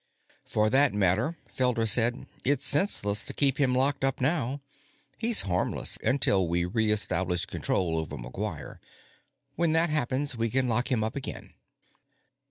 "For that matter," Felder said, "it's senseless to keep him locked up now. He's harmless until we reestablish control over McGuire. When that happens, we can lock him up again."